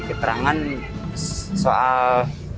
itu ya pas menangkap kan